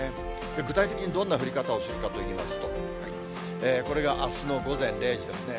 具体的にどんな降り方をするかといいますと、これがあすの午前０時ですね。